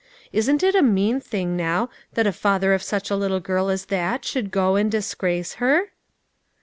Isn't it a mean thing, now, that the father of such a little girl as that should go and disgrace her?"